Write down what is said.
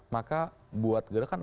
maka buat gerakan